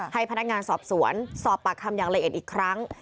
ให้พนักงานสอบสวนสอบปากคำอย่างละเอียดอีกครั้ง